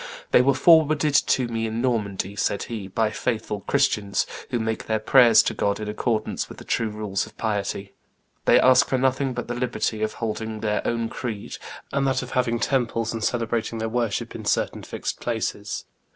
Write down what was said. "They were forwarded to me in Normandy," said he, "by faithful Christians, who make their prayers to God in accordance with the true rules of piety. They ask for nothing but the liberty of holding their own creed, and that of having temples and celebrating their worship in certain fixed places.